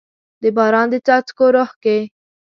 د باران د څاڅکو روح کې